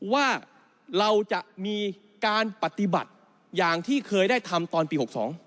ว่าเราจะมีการปฏิบัติอย่างที่เคยได้ทำตอนปี๖๒